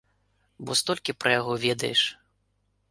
Бо столькі пра яго ведаеш.